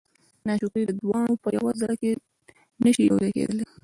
ناشکري دواړه په یوه زړه کې نه شي یو ځای کېدلی.